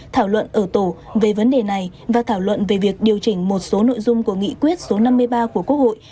thảo luận ở tổ về vấn đề này và thảo luận về việc điều chỉnh một số nội dung của nghị quyết số năm mươi ba của quốc hội